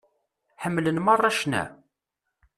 Ḥemmlen meṛṛa ccna?